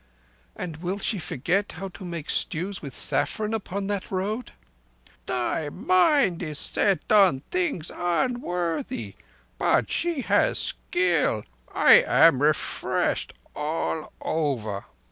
"And will she forget how to make stews with saffron upon that road?" "Thy mind is set on things unworthy. But she has skill. I am refreshed all over.